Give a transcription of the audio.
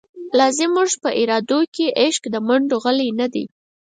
لازموږ په ارادوکی، عشق دمنډوغلی نه دی